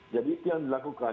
jadi itu yang dilakukan